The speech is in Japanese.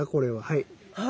はい。